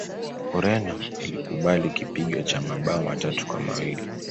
ureno ilikubali kipigo cha mabao matatu kwa mawili